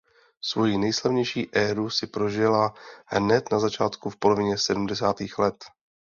Svoji nejslavnější éru si prožila hned na začátku v polovině sedmdesátých let.